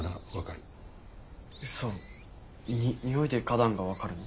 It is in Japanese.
うそ。に匂いで花壇が分かるの？